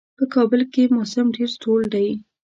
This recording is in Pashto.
په کابل کې موسم ډېر سوړ دی.